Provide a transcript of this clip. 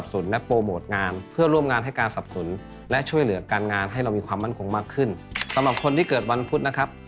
สำหรับคนที่เกิดวันพุธนะครับ